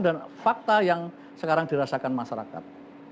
fakta yang sekarang dirasakan masyarakat